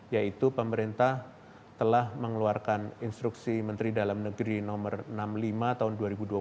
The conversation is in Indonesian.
yaitu pemerintah telah mengeluarkan instruksi menteri dalam negeri no enam puluh lima tahun dua ribu dua puluh